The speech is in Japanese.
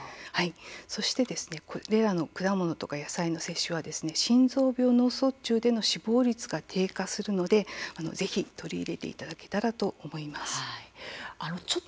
そして野菜、果物を摂取すると心臓病や脳卒中での死亡率が低下することのでぜひ取り入れていただけたらと思います。